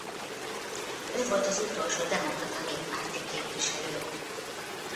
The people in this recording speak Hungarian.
Ő volt az utolsó demokrata néppárti képviselő.